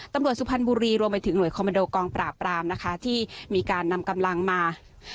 สุพรรณบุรีรวมไปถึงหน่วยคอมมันโดกองปราบรามนะคะที่มีการนำกำลังมา